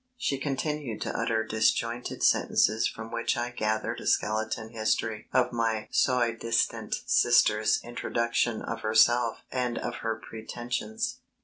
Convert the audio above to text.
She continued to utter disjointed sentences from which I gathered a skeleton history of my soi distant sister's introduction of herself and of her pretensions.